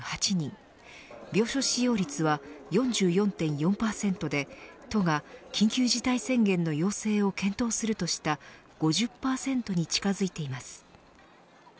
病床使用率は４４．４％で都が緊急事態宣言の要請を検討するとした５０％に近づいています。